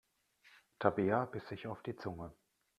Tabea biss sich auf die Zunge.